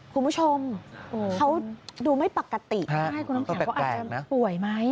คุณผู้ชมเขาดูไม่ปกติง่ายคุณน้ำแข็งว่าอาจจะป่วยไหม